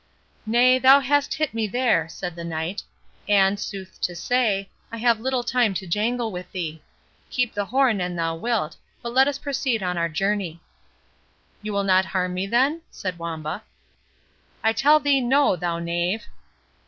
"Nay, thou hast hit me there," said the Knight; "and, sooth to say, I have little time to jangle with thee. Keep the horn an thou wilt, but let us proceed on our journey." "You will not harm me, then?" said Wamba. "I tell thee no, thou knave!"